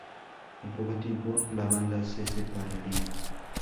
Al poco tiempo la banda se separaría.